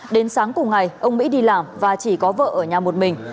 đến sáng cùng ngày ông mỹ đi làm và chỉ có vợ ở nhà một mình